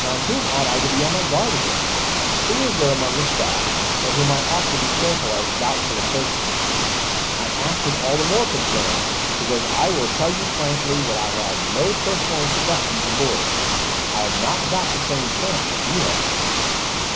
Now, whom ought I to be on my guard against? Who is there, among the staff, of whom I ought to be careful as doubtful associates? I ask with all the more concern because I will tell you frankly that I had no personal introduction to the Board: I have not got the same chance that you have."